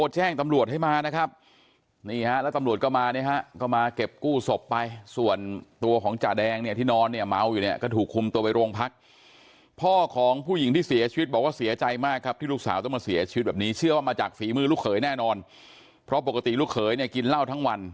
จากฝีมือลูกเขยแน่นอนเพราะปกติลูกเขยกินเหล้าทั้งวัน